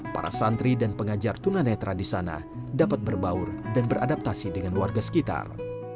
para santri dan pengajar tunanetra di sana dapat berbaur dan beradaptasi dengan warga sekitar